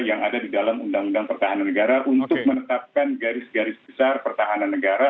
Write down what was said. yang ada di dalam undang undang pertahanan negara untuk menetapkan garis garis besar pertahanan negara